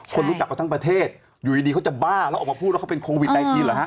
คนรู้จักกันทั้งประเทศอยู่ดีเขาจะบ้าแล้วออกมาพูดว่าเขาเป็นโควิด๑๙เหรอฮะ